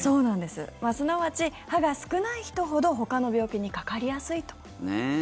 すなわち歯が少ない人ほどほかの病気にかかりやすいと。